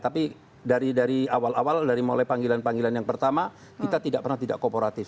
tapi dari awal awal dari mulai panggilan panggilan yang pertama kita tidak pernah tidak kooperatif